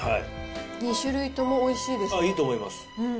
２種類ともおいしいですね。